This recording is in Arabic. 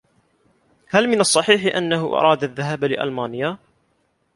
هل من الصحيح أنه أراد الذهاب لألمانيا؟